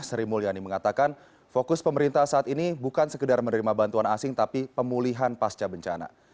sri mulyani mengatakan fokus pemerintah saat ini bukan sekedar menerima bantuan asing tapi pemulihan pasca bencana